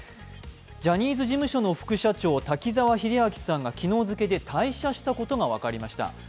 ジャニーズ事務所の副社長滝沢秀樹さんが昨日付で退社したことが分かりました。